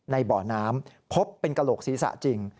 ไปง่มในเบาะน้ำพบเป็นกระโหลกศีรษะจริง